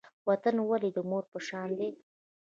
وطن ولې د مور په شان دی؟